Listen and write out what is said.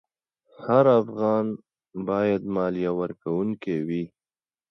هر افغان باید مالیه ورکوونکی وي.